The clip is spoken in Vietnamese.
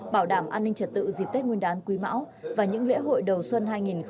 bảo đảm an ninh trật tự dịp tết nguyên đán quý mão và những lễ hội đầu xuân hai nghìn hai mươi